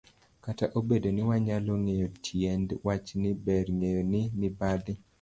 Kata obedo ni wanyalo ng'eyo tiend wachni, ber ng'eyo ni mibadhi